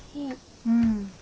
うん。